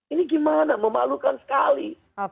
ini gimana memalukan sekali